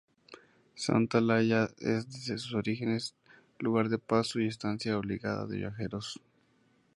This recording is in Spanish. Santa Olalla es desde sus orígenes lugar de paso y estancia obligada de viajeros.